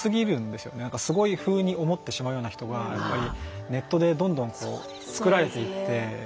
すごいふうに思ってしまうような人がやっぱりネットでどんどん作られていって。